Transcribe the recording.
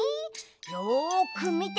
よくみて！